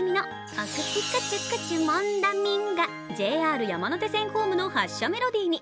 お口くちゅくちゅモンダミンがＪＲ山手線ホームの発車メロディーに。